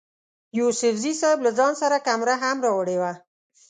یوسفزي صیب له ځان سره کمره هم راوړې وه.